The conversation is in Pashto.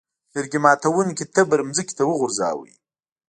لرګي ماتوونکي تبر ځمکې ته وغورځاوه.